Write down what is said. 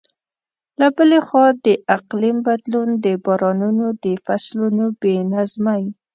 له بلې خوا، د اقلیم بدلون د بارانونو د فصلونو بې نظمۍ.